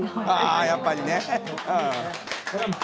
あやっぱりね。